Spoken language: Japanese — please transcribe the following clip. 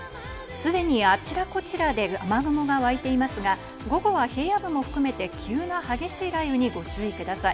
すでに、あちらこちらで雨雲がわいていますが、午後は平野部も含めて急な激しい雷雨にご注意ください。